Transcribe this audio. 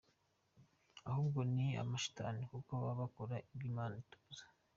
Ahubwo ni amashitani kuko baba bakora ibyo imana itubuza.